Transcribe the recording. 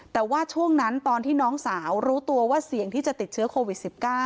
แต่ว่าช่วงนั้นตอนที่น้องสาวรู้ตัวว่าเสี่ยงที่จะติดเชื้อโควิด๑๙